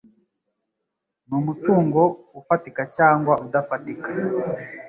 n umutungo ufatika cyangwa udafatika